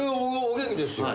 お元気ですよ。